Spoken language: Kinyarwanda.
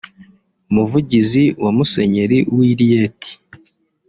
umuvugizi wa musenyeri w’i Rieti